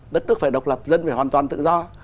đất nước phải độc lập dân phải hoàn toàn tự do